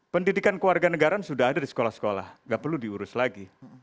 pendidikan keluarga negara sudah ada di sekolah sekolah nggak perlu diurus lagi